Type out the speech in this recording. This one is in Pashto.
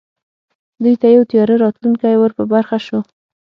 دوی ته یو تیاره راتلونکی ور په برخه شو